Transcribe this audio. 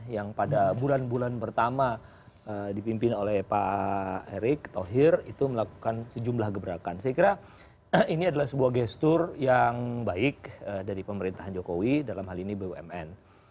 yang pada bulan bulan pertama dipimpin oleh pak erick thohir itu melakukan sejumlah gebrakan saya kira ini adalah sebuah gestur yang baik dari pemerintahan jokowi dalam hal ini bumn